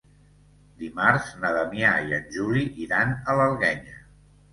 Dimarts na Damià i en Juli iran a l'Alguenya.